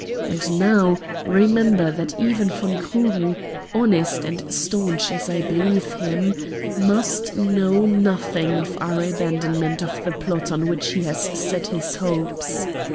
And now remember that even von Krugen, honest and stanch as I believe him, must know nothing of our abandonment of the plot on which he has set his hopes.